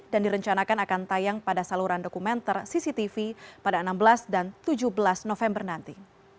dan direncanakan akan tayang pada saluran dokumenter cctv pada enam belas dan tujuh belas november nanti